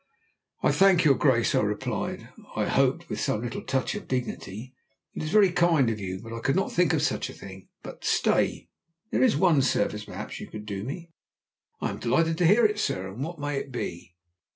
"I thank your Grace," I replied I hope with some little touch of dignity "it is very kind of you, but I could not think of such a thing. But, stay, there is one service, perhaps you could do me." "I am delighted to hear it, sir. And what may it be?"